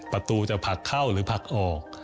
ประตูจะผลักเข้าหรือผลักออก